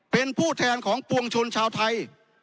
เป็นผู้แทนของปวงชนชาวไทย